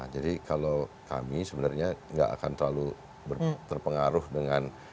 jadi kalau kami sebenarnya nggak akan terlalu terpengaruh dengan